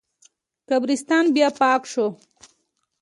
قبرستان بیا پاک شو.